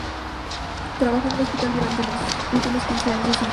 Trabajó en el hospital durante los últimos quince años de su vida.